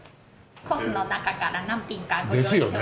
コースの中から何品かご用意しております。